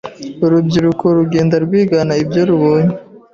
urubyiruko rugenda rwigana ibyo rubonye